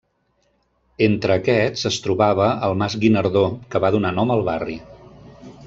Entre aquests, es trobava el Mas Guinardó, que va donar nom al barri.